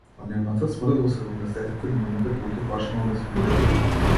По нивната смрт во седумдесетите, нивната куќа почнала да се уништува.